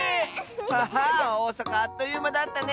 ハハーおおさかあっというまだったね！